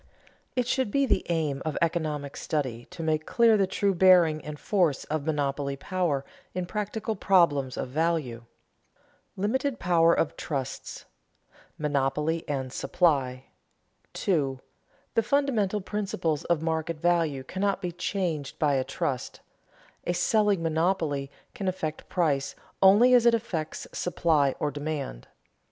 It should be the aim of economic study to make clear the true bearing and force of monopoly power in practical problems of value. [Sidenote: Limited power of trusts] [Sidenote: Monopoly and supply] 2. _The fundamental principles of market value cannot be changed by a trust; a selling monopoly can affect price only as it affects supply or demand.